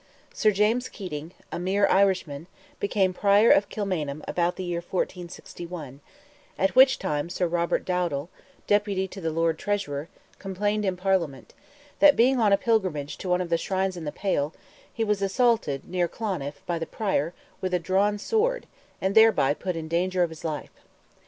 Sir James Keating, "a mere Irishman," became Prior of Kilmainham about the year 1461, at which time Sir Robert Dowdal, deputy to the Lord Treasurer, complained in Parliament, that being on a pilgrimage to one of the shrines of the Pale, he was assaulted near Cloniff, by the Prior, with a drawn sword, and thereby put in danger of his life.